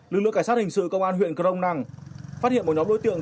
lực lượng cảnh sát hình sự công an huyện crong năng phát hiện một nhóm đối tượng